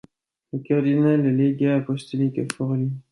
Le cardinal est légat apostolique à Forlì.